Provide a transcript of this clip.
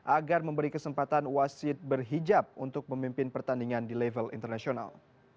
agar memberi kesempatan wasit berhijab untuk memimpin pertandingan di level internasional